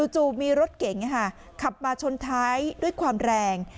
จู่มีรถเก๋งขับมาชนท้ายด้วยความแรง